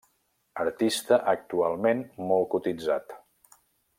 Artista actualment molt cotitzat.